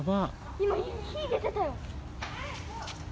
今、火出てたよ。